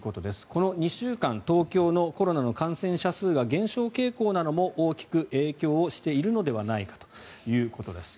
この２週間東京のコロナの感染者数が減少傾向なども大きく影響しているのではないかということです。